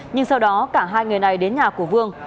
nhưng sau đó cả hai người này đến nhà của vương